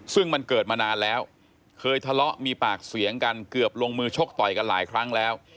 ซึ่งมันเกิดมานานแล้วเคยทะเลาะมีปากเสียงกันเกือบลงมือชกต่อยกันหลายครั้งแล้ว